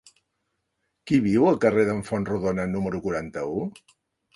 Qui viu al carrer d'en Fontrodona número quaranta-u?